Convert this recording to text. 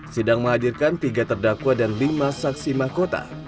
sidang menghadirkan tiga terdakwa dan lima saksi mahkota